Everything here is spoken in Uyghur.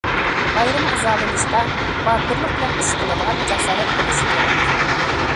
ئايرىم غىزالىنىشتا، باتۇرلۇق بىلەن ئىش قىلىدىغان جاسارەت بولۇشى كېرەك.